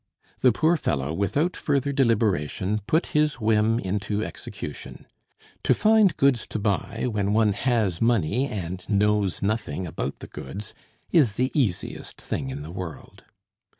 The poor fellow, without further deliberation, put his whim into execution. To find goods to buy, when one has money and knows nothing about the goods, is the easiest thing in the world.